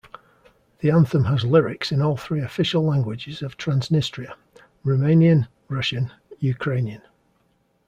The anthem has lyrics in all three official languages of Transnistria: Romanian, Russian, Ukrainian.